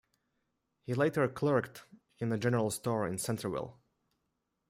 He later clerked in a general store in Centerville.